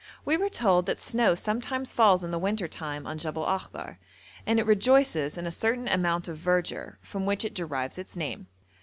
We were told that snow sometimes falls in the winter time on Jebel Akhdar, and it rejoices in a certain amount of verdure, from which it derives its name.